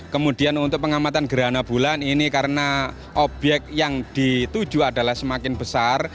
kemudian untuk pengamatan gerhana bulan ini karena obyek yang dituju adalah semakin besar